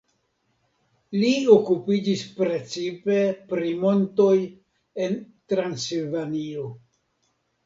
Li okupiĝis precipe pri montoj en Transilvanio.